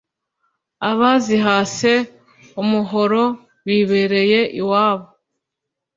Abazihase umuhoro Bibereye iwabo